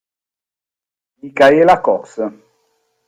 Micaela Cocks